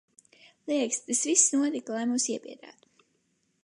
Liekas, tas viss notika, lai mūs iebiedētu.